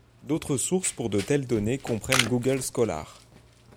D'autres sources pour de telles données comprennent Google Scholar.